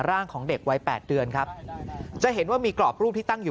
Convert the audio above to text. ของเด็กวัย๘เดือนครับจะเห็นว่ามีกรอบรูปที่ตั้งอยู่